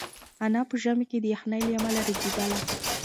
انا په ژمي کې د یخنۍ له امله رېږدېدله.